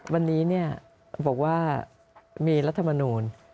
วันนี้บอกว่ามีรัฐมนูล